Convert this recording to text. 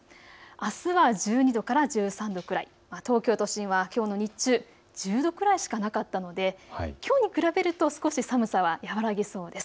あすは１２度から１３度くらい、東京都心はきょうの日中１０度くらいしかなかったのできょうに比べると少し寒さは和らぎそうです。